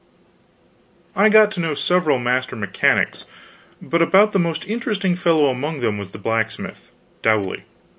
I got to know several master mechanics, but about the most interesting fellow among them was the blacksmith, Dowley.